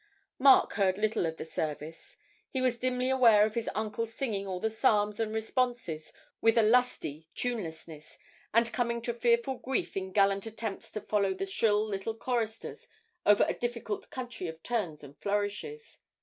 Mark heard little of the service; he was dimly aware of his uncle singing all the psalms and responses with a lusty tunelessness, and coming to fearful grief in gallant attempts to follow the shrill little choristers over a difficult country of turns and flourishes.